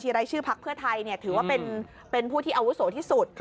รายชื่อพักเพื่อไทยถือว่าเป็นผู้ที่อาวุโสที่สุด